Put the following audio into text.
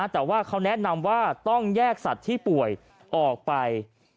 แต่ว่าเขาแนะนำว่าต้องแยกสัตว์ที่ป่วยออกไป